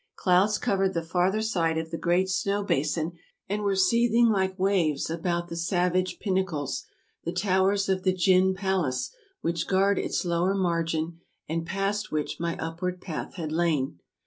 Clouds covered the farther side of the great snow basin, and were seething like ASIA 281 waves about the savage pinnacles, the towers of the Jinn palace, which guard its lower margin, and past which my upward path had lain.